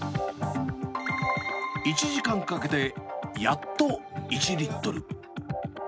１時間かけて、やっと１リットル。